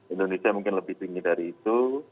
indonesia mungkin lebih tinggi dari itu